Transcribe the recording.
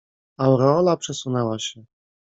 Aureola przesunęła się.